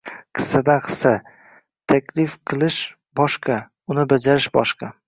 Qissadan hissa: Taklif qilish bosh¬qa, uni bajarish boshqa